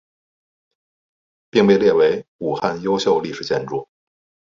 并被列为武汉优秀历史建筑。